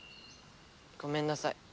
ごめんなさい。